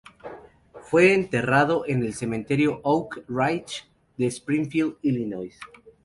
Fue enterrado en el Cementerio Oak Ridge de Springfield, Illinois.